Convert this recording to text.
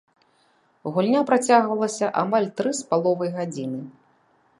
Гульня працягвалася амаль тры з паловай гадзіны.